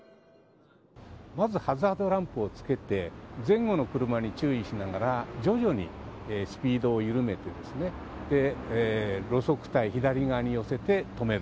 まずハザードランプをつけて前後の車に注意しながら徐々にスピードを緩めて路側帯、左側に寄せて止める。